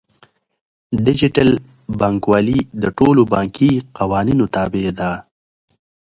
ډیجیټل بانکوالي د ټولو بانکي قوانینو تابع ده.